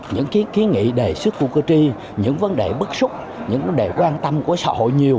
những ký nghị đề sức của cơ tri những vấn đề bức xúc những vấn đề quan tâm của xã hội nhiều